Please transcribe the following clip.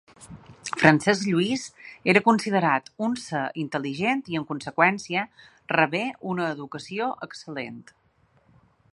Francesc Lluís era considerat un ser intel·ligent i en conseqüència rebé una educació excel·lent.